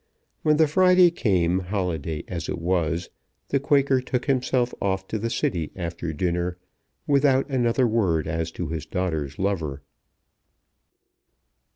When the Friday came, holiday as it was, the Quaker took himself off to the City after dinner, without another word as to his daughter's lover.